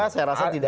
saya rasa tidak